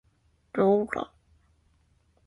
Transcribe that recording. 行，哥！